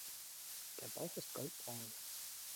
Der Bauch ist goldbraun.